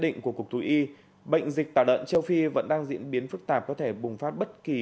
định của cục thú y bệnh dịch tả lợn châu phi vẫn đang diễn biến phức tạp có thể bùng phát bất kỳ